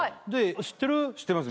知ってます